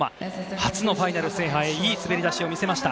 初のファイナル制覇へいい滑り出しを見せました。